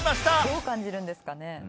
「どう感じるんですかね？」